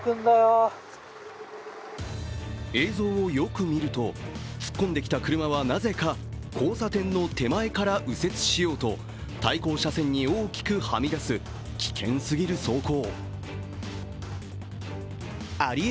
映像をよく見ると、突っ込んできた車はなぜか交差点の手前から右折しようと対向車線に大きくはみ出す危険すぎる走行。